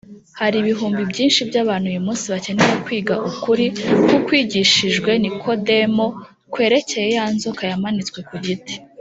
Hari ibihumbi byinshi by’abantu uyu munsi bakeneye kwiga ukuri nk’ukwigishijwe Nikodemo kwerekeye ya nzoka yamanitswe ku giti